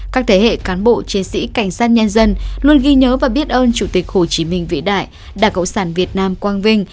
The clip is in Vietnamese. các thế hệ cán bộ chiến sĩ cảnh sát nhân dân luôn ghi nhớ và biết ơn chủ tịch hồ chí minh vĩ đại đảng cộng sản việt nam quang vinh